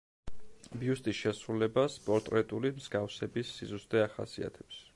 ბიუსტის შესრულებას პორტრეტული მსგავსების სიზუსტე ახასიათებს.